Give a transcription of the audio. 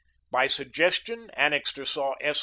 By suggestion, Annixter saw S.